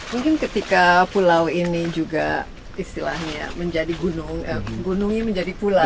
mungkin ketika pulau ini juga istilahnya menjadi gunungnya menjadi pulau